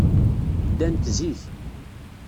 Ddant zik.